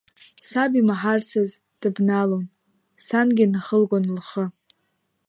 Саб имаҳарцаз, дыбналон, сангьы инахылгон лхы.